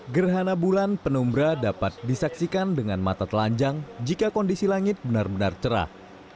gerhana bulan penumbra dapat disaksikan dengan mata telanjang jika kondisi langit benar benar cerah